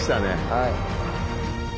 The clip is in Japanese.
はい。